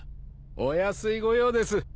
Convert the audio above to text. お安いご用です。